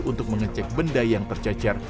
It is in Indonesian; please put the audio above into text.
untuk mengecek benda yang tercecer